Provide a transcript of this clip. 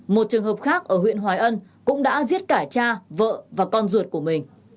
một trường hợp khác ở huyện hoài ân cũng đã giết cả cha vợ và con ruột của mình